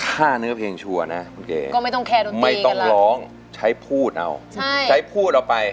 ถ้าเนื้อเพลงชัวร์นะไม่ต้องร้องใช้พูดเอาใช้พูดเอาไป